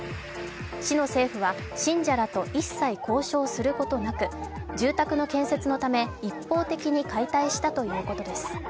市の政府は信者らと一切交渉することなく、住宅の建設のため、一方的に解体したということです。